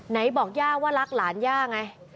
ไหนบอกย่าว่ารักหลานย่าไง